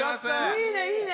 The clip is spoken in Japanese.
いいねいいね！